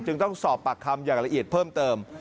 ต้องสอบปากคำอย่างละเอียดเพิ่มเติม